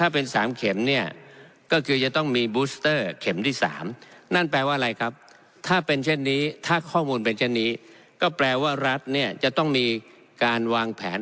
ไม่ใช่แก้ปัญหาเฉพาะน่าทีละวัน